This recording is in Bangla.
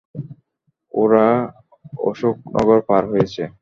ওরা অশোক নগর পার হয়েছে।